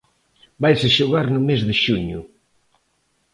Vaise xogar no mes de xuño.